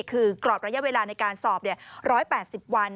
คือกรอบระยะเวลาในการสอบ๑๘๐วัน